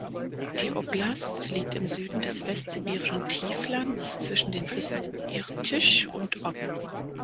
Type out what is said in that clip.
Die Oblast liegt im Süden des Westsibirischen Tieflands zwischen den Flüssen Irtysch und Ob.